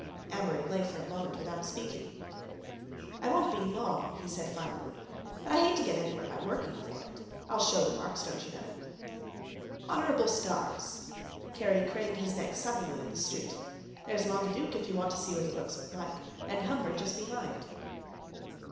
Amory lay for a moment without speaking. "I won't be—long," he said finally. "But I hate to get anywhere by working for it. I'll show the marks, don't you know." "Honorable scars." Kerry craned his neck suddenly at the street. "There's Langueduc, if you want to see what he looks like—and Humbird just behind."